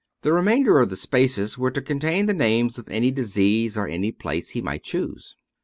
The remainder of the spaces were to contain the names of any disease or any place he might choose.